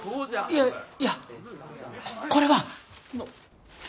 いやいやこれは。